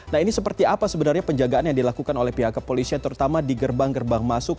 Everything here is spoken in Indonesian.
nah ini seperti apa sebenarnya penjagaan yang dilakukan oleh pihak kepolisian terutama di gerbang gerbang masuk